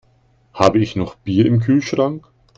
Habe ich noch Bier im Kühlschrank?